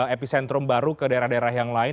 epicentrum baru ke daerah daerah yang lain